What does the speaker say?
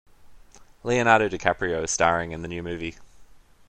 Leonardo DiCaprio is staring in the new movie.